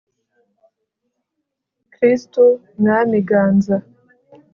kristu mwami ganza